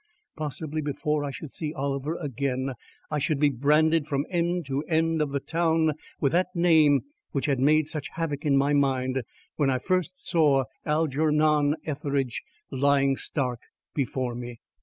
possibly before I should see Oliver again ... I should be branded from end to end of the town with that name which had made such havoc in my mind when I first saw Algernon Etheridge lying stark before me.